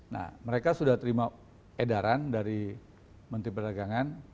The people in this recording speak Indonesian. nah mereka sudah terima edaran dari menteri perdagangan